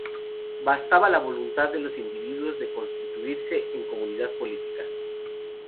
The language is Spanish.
Bastaba la voluntad de los individuos de constituirse en comunidad política.